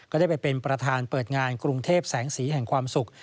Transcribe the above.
ได้ไปเป็นประธานเปิดงานกรุงเทพแสงสีแห่งความสุข